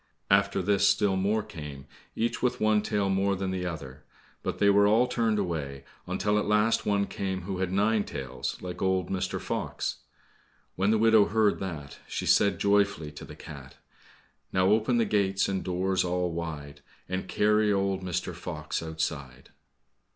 After this still more came, each with one tail more than the other, but they were all turned away, until at last one came who had nine tails, like old Mr. Fox. When the widow heard that, she said joyfully to the cat, "Now open the gates and doors all wide, And carry old Mr. Fox outside."